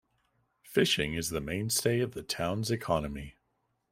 Fishing is the mainstay of the town's economy.